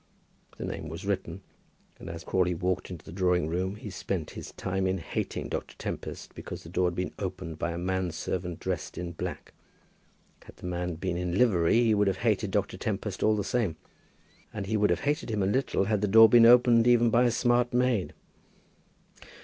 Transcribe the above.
The name was written, and as Crawley waited in the drawing room he spent his time in hating Dr. Tempest because the door had been opened by a man servant dressed in black. Had the man been in livery he would have hated Dr. Tempest all the same. And he would have hated him a little had the door been opened even by a smart maid.